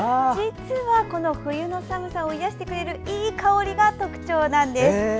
実はこの冬の寒さを癒やしてくれるいい香りが特徴なんです。